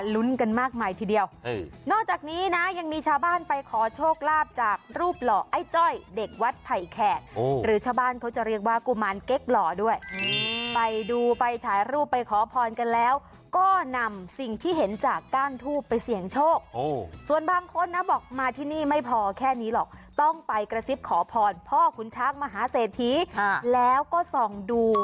ลุ้นกันมากมายทีเดียวนอกจากนี้นะยังมีชาวบ้านไปขอโชคลาภจากรูปหล่อไอ้จ้อยเด็กวัดไผ่แขกหรือชาวบ้านเขาจะเรียกว่ากุมารเก๊กหล่อด้วยไปดูไปถ่ายรูปไปขอพรกันแล้วก็นำสิ่งที่เห็นจากก้านทูบไปเสี่ยงโชคส่วนบางคนนะบอกมาที่นี่ไม่พอแค่นี้หรอกต้องไปกระซิบขอพรพ่อขุนช้างมหาเศรษฐีแล้วก็ส่องดู